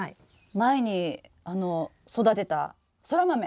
前に育てたソラマメ！